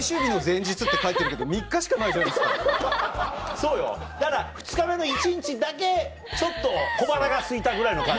そうよだから２日目の１日だけちょっと小腹がすいたぐらいの感じ。